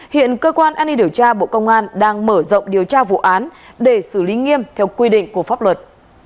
hiện cơ quan an ninh điều tra bộ công an đang mở rộng điều tra vụ án để xử lý nghiêm theo quy định của pháp luật